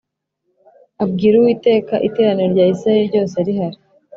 abwira Uwiteka iteraniro rya Isirayeli ryose rihari